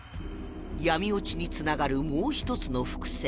闇落ちに繋がるもう一つの伏線